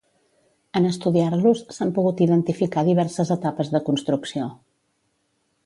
En estudiar-los, s'han pogut identificar diverses etapes de construcció.